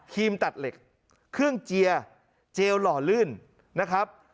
ตัดเหล็กเครื่องเจียร์เจลหล่อลื่นนะครับ